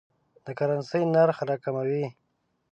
د کرنسۍ نرخ راکموي.